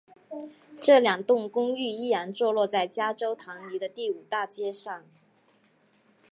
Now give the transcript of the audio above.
这两栋公寓依然坐落在加州唐尼的第五大街上。